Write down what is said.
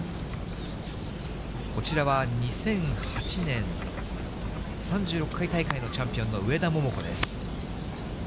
こちらは２００８年、３６回大会のチャンピオンの上田桃子です。